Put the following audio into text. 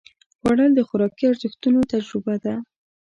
خوړل د خوراکي ارزښتونو تجربه ده